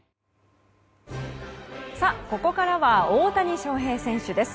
ここからは大谷翔平選手です。